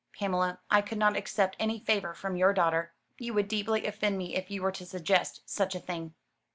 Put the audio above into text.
"Pamela, I could not accept any favour from your daughter. You would deeply offend me if you were to suggest such a thing."